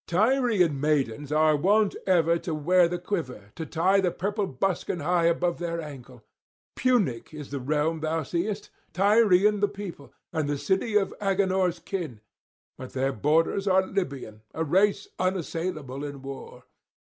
Tyrian maidens are wont ever to wear the quiver, to tie the purple buskin high above their ankle. Punic is the realm thou seest, Tyrian the people, and the city of Agenor's kin; but their borders are Libyan, a race unassailable in war.